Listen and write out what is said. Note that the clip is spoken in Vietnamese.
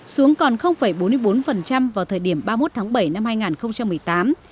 xuống còn bốn mươi bốn vào thời điểm ba năm